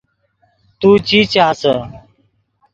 تو چی چاسے